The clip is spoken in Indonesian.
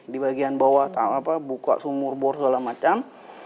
di bagian bawah buka sumur bor segala macam